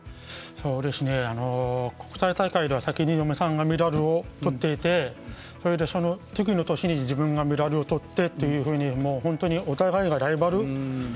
国際大会では先に嫁さんがメダルをとっていてそれで、その次の年に自分がメダルをとってと本当にお互いがライバル。